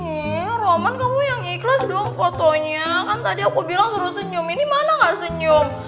nih romon kamu yang ikhlas dong fotonya kan tadi aku bilang suruh senyum ini mana gak senyum